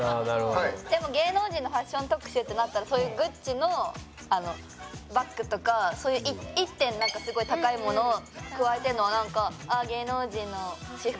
でも芸能人のファッション特集ってなったらそういうＧＵＣＣＩのバッグとかそういう１点すごい高いものを加えてるのはなんかああ芸能人の私服だなって思うから。